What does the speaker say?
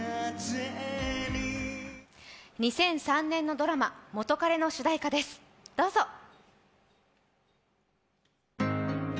２００３年のドラマ「元カレ」の主題歌です、どうぞ。